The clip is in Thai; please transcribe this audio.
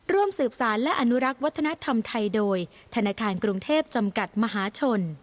ร่วมสืบสารและอนุรักษ์วัฒนธรรมไทยโดยธนาคารกรุงเทพจำกัดมหาชน